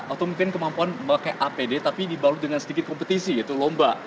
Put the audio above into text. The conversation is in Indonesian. atau mungkin kemampuan memakai apd tapi dibalut dengan sedikit kompetisi yaitu lomba